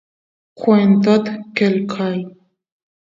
kwentot qelqay